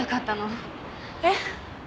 えっ？